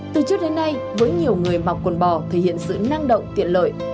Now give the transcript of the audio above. từ trước đến nay với nhiều người mặc quần bò thể hiện sự năng động tiện lợi